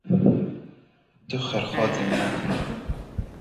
Tu xêrxwazê me tune ne.